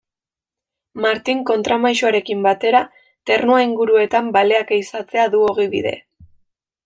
Martin kontramaisuarekin batera, Ternua inguruetan baleak ehizatzea du ogibide.